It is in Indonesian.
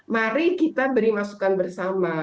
mari kita beri masukan bersama